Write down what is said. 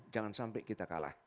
jangan sampai kita kalah